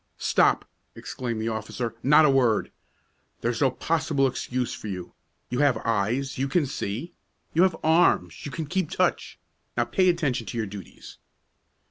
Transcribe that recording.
"Stop!" exclaimed the officer. "Not a word! There's no possible excuse for you. You have eyes; you can see. You have arms; you can keep touch. Now pay attention to your duties."